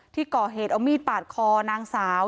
ที่ก่อเหตุเอามีดปาดคอนางสาว